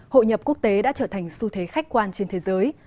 hội nhập quốc tế đã trở thành xu thế khách quan trên thế giới